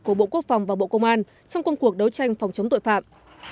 của bộ quốc phòng và bộ công an trong công cuộc đấu tranh phòng chống tội phạm